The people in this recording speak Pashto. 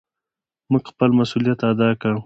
مونږ خپل مسؤليت ادا کړ.